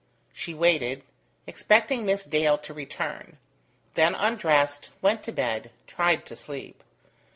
She waited, expecting Miss Dale to return; then undressed, went to bed, tried to sleep.